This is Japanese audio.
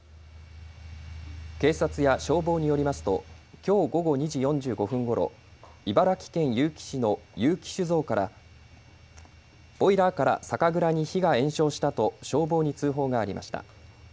警察や消防によりますときょう午後２時４５分ごろ茨城県結城市の結城酒造からボイラーから酒蔵に火が延焼したと消防に通報がありました。